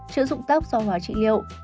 chữa dụng tóc do hóa trị liệu